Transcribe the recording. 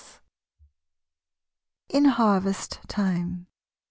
IN HARVEST TIME.